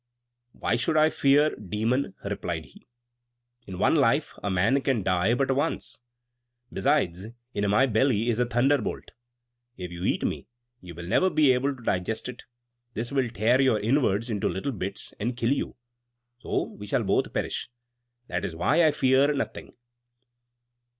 "Why should I fear, Demon?" replied he. "In one life a man can die but once. Besides, in my belly is a thunderbolt; if you eat me, you will never be able to digest it; this will tear your inwards into little bits, and kill you: so we shall both perish. That is why I fear nothing."